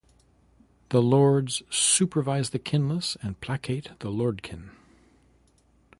The Lords supervise the kinless and placate the Lordkin.